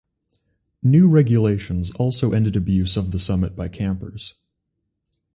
New regulations also ended abuse of the summit by campers.